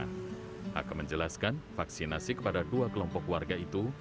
hak menjelaskan vaksinasi kepada dua kelompok warga itu